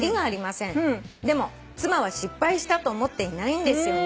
でも妻は失敗したと思っていないんですよね」